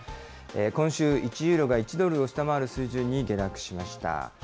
今週、１ユーロが１ドルを下回る水準に下落しました。